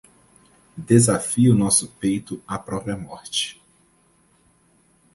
Desafia o nosso peito a própria morte!